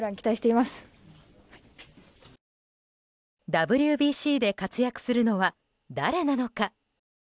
ＷＢＣで活躍するのは誰なのか。